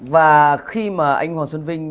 và khi mà anh hoàng xuân vinh